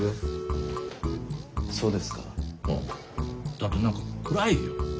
だって何か暗いよ。